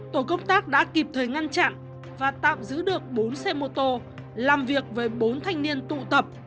tổ công tác đã kịp thời ngăn chặn và tạm giữ được bốn xe mô tô làm việc với bốn thanh niên tụ tập